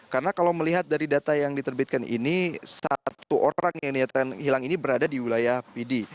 karena kalau melihat dari data yang diterbitkan ini satu orang yang dinyatakan hilang ini berada di wilayah pd